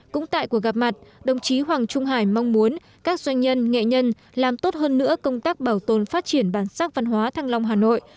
cũng tại cuộc gặp mặt đồng chí hoàng trung hải mong muốn các doanh nhân nghệ nhân làm tốt hơn nữa công tác bảo tồn phát triển bản sắc văn hóa thăng long hà nội